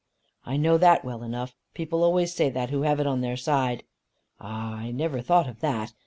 "I know that well enough. People always say that who have it on their side." "Ah, I never thought of that.